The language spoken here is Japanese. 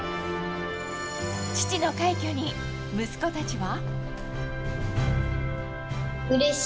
父の快挙に息子たちは。